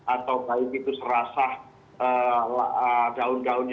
atau baik itu serasa daun daunnya